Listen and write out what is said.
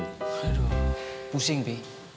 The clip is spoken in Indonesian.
aduh pusing bi